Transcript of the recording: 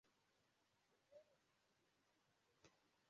igihe amara ashaka ifarangani kirekire